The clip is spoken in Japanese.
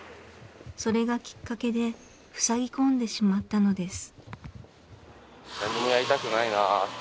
それがきっかけでふさぎ込んでしまったのです。